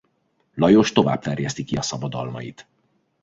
Lajos tovább terjeszti ki szabadalmait.